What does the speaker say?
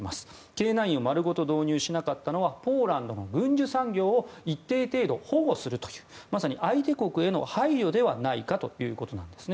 Ｋ９を丸ごと導入しなかったのはポーランドの軍需産業を一定程度、保護するというまさに相手国への配慮ではないかということなんです。